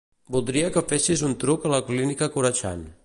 Voldria que fessis un truc a la clínica Corachan.